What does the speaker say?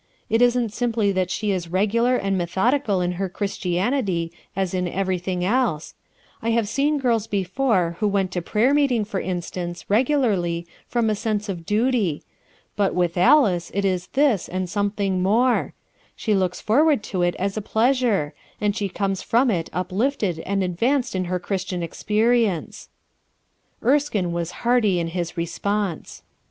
"It isn't simply that she is regular aru * methodical in her Christianity as in everything else* I have seen girls before who went to prayer meeting, for instance, regularly, from a sense of duty ; but with Alice it is this, and something more* She looks for ward to it as a pleasure; and she comes from it uplifted and advanced in her Christian ex perience,' 1 Erskine was hearty in his response.